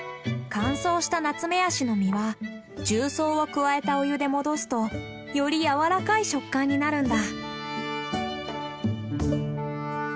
乾燥したナツメヤシの実は重曹を加えたお湯で戻すとよりやわらかい食感になるんだ。